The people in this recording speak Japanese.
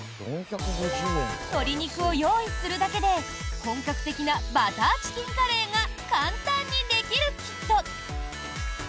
鶏肉を用意するだけで本格的なバターチキンカレーが簡単にできるキット。